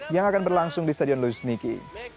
yang akan berlangsung di stadion luishniki